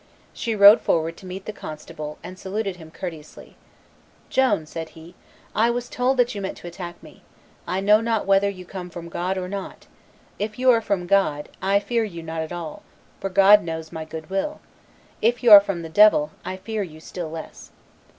She rode forward to meet the constable, and saluted him courteously. "Joan," said he, "I was told that you meant to attack me; I know not whether you come from God or not; if you are from God, I fear you not at all, for God knows my good will; if you are from the devil, I fear you still less."